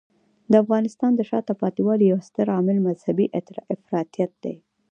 د افغانستان د شاته پاتې والي یو ستر عامل مذهبی افراطیت دی.